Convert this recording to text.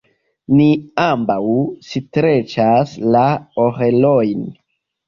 Ni ambaŭ streĉas la orelojn.